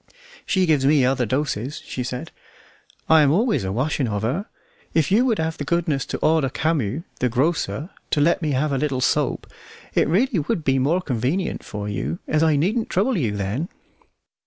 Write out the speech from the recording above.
"She gives me other doses," she said: "I am always a washing of her. If you would have the goodness to order Camus, the grocer, to let me have a little soap, it would really be more convenient for you, as I needn't trouble you then."